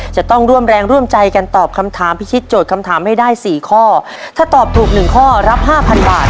จะต้องร่วมแรงร่วมใจกันตอบคำถามพิชิตโจทย์คำถามให้ได้สี่ข้อถ้าตอบถูกหนึ่งข้อรับห้าพันบาท